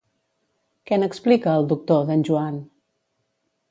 Què n'explica, el doctor, d'en Joan?